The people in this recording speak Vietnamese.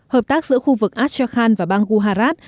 hợp tác giữa khu vực ashokhan và bang guharat